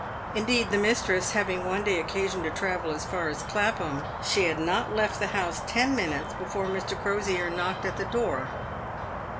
Indeed, the mistress, having one day occasion to travel as far as Clapham, she had not left the house ten minutes before Mr. Crosier knocked at the door.